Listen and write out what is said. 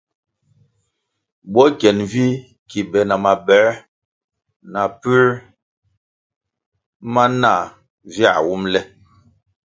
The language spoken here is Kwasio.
Bwo kyen vih ki be na maboē na puer ma nah viah wumʼle.